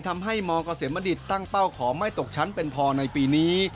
ทำให้มเกษมบัณฑิตตั้งเป้าขอไม่ตกชั้นเป็นพอในปีนี้